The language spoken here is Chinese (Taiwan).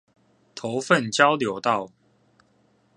頭份交流道